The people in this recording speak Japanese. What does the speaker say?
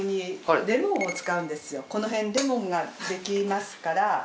このへんレモンができますから。